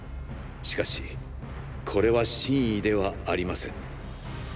しかしこれは真意ではありません。